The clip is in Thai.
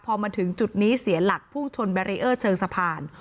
พอมาถึงจุดนี้เสียหลักพุ่งชนแบรีเออร์เชิงสะพาน